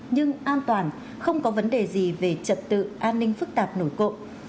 nhưng an toàn không có vấn đề gì về trật tự an ninh phức tạp nổi cộng